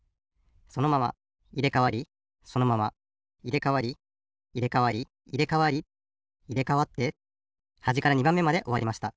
そのままいれかわりそのままいれかわりいれかわりいれかわりいれかわってはじから２ばんめまでおわりました。